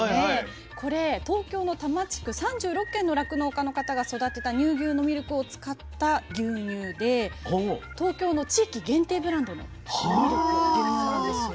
これ東京の多摩地区３６軒の酪農家の方が育てた乳牛のミルクを使った牛乳で東京の地域限定ブランドのミルク牛乳なんですよ。